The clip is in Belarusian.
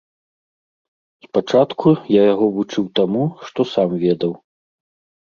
Спачатку я яго вучыў таму, што сам ведаў.